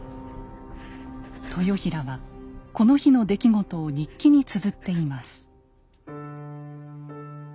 豊平はこの日の出来事を日記につづっています。